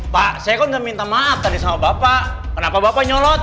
pak saya kan sudah minta maaf tadi sama bapak kenapa bapak nyolot